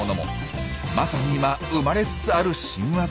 まさに今生まれつつある新ワザ。